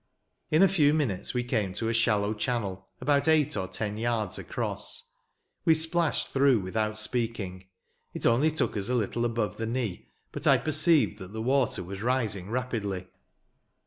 In a few minutes we came to a shallow channel, about eight or ten yards across. We splashed through, without speaking. It only took us a little above the knee; but, I perceived that the water was rising rapidly.